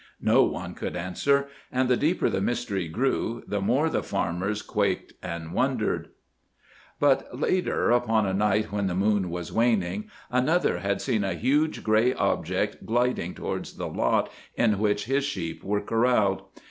No one could answer, and the deeper the mystery grew, the more the farmers quaked and wondered. But later, upon a night when the moon was waning, another had seen a huge gray object gliding towards the lot in which his sheep were corralled.